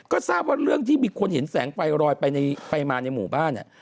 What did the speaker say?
ก็ทราบว่าเรื่องที่มีคนเห็นแสงไฟลอยไปมาในหมู่บ้านเนี่ย